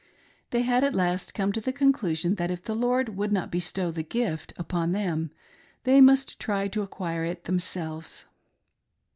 They had at last come to the conclusion that if the Lord would not bestow the "gift" upon them, they must try to acquire it themselves.